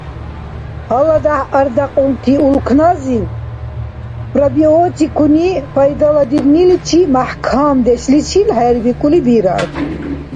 ГьаладяхӀ ардякьунти улкназиб пробиотикуни пайдаладирниличи мяхӀкамдешличил хӀербикӀули бирар.